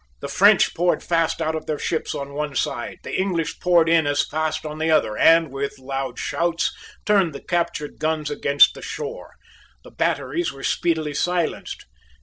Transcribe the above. The French poured fast out of their ships on one side; the English poured in as fast on the other, and, with loud shouts, turned the captured guns against the shore. The batteries were speedily silenced.